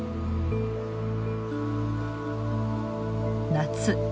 夏。